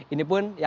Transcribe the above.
ini pun ya